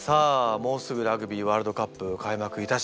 もうすぐラグビーワールドカップ開幕いたしますね。